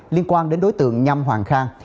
liên quan đến đối tượng nhâm hoàng khang